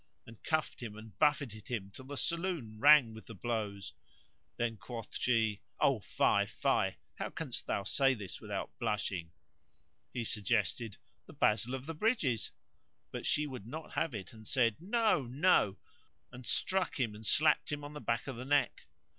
and cuffed him and buffeted him till the saloon rang with the blows. Then quoth she, "O fie! O fie! how canst thou say this without blushing?" He suggested, "The basil of the bridges;" but she would not have it and she said, "No! no!" and struck him and slapped him on the back of the neck.